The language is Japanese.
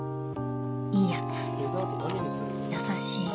いいヤツ優しい